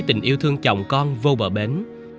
tình yêu thương chồng con vô bờ bến